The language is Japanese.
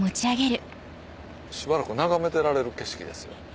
しばらく眺めてられる景色ですよ